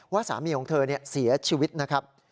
สามีของเธอเสียชีวิตนะครับ